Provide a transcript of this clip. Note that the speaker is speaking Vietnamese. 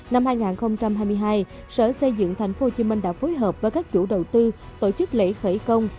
năm hai nghìn hai mươi hai sở xây dựng tp hcm đã phối hợp với các chủ đầu tư tổ chức lễ khởi công